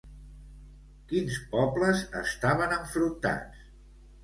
Quins pobles estaven enfrontats?